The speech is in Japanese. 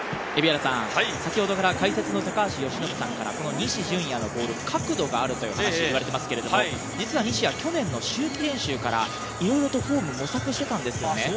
先ほどから解説の高橋由伸さんから西純矢のボール、角度があるという話を言われていますが、西は去年の秋季練習からいろいろとフォームを模索していたんですね。